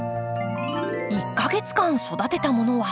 １か月間育てたものは？